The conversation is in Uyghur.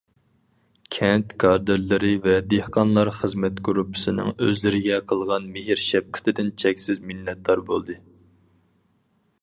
كەنت كادىرلىرى ۋە دېھقانلار خىزمەت گۇرۇپپىسىنىڭ ئۆزلىرىگە قىلغان مېھىر- شەپقىتىدىن چەكسىز مىننەتدار بولدى.